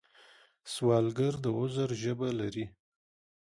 سوالګر د عذر ژبه لري